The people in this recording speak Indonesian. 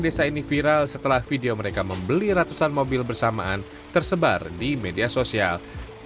desa ini viral setelah video mereka membeli ratusan mobil bersamaan tersebar di media sosial